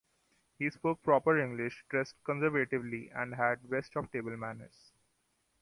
He spoke proper English, dressed conservatively, and had the best of table manners.